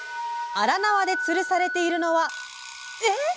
荒縄でつるされているのはえっ⁉